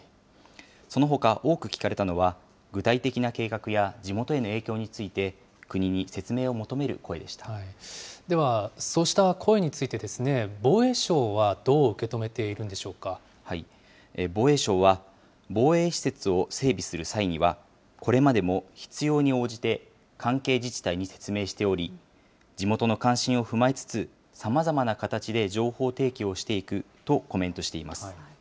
そのほか多く聞かれたのは、具体的な計画や、地元への影響について、では、そうした声についてですね、防衛省はどう受け止めているんでしょ防衛省は、防衛施設を整備する際には、これまでも必要に応じて関係自治体に説明しており、地元の関心を踏まえつつ、さまざまな形で情報提供をしていくとコメントしています。